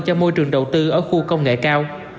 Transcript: cho môi trường đầu tư ở khu công nghệ cao